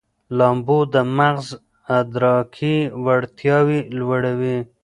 لامبو د مغز ادراکي وړتیاوې لوړوي.